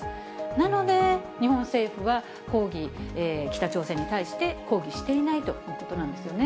なので、日本政府は抗議、北朝鮮に対して抗議していないということなんですよね。